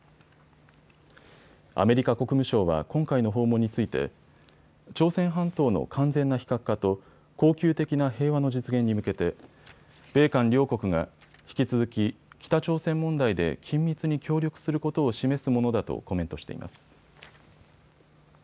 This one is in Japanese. アメリカ国務省は今回の訪問について朝鮮半島の完全な非核化と恒久的な平和の実現に向けて米韓両国が引き続き北朝鮮問題で緊密に協力することを示すものだとコメントしています。